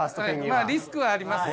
まあリスクはあります。